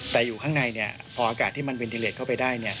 แต่อยู่ข้างในพออากาศที่มันวินทิเลสเข้าไปได้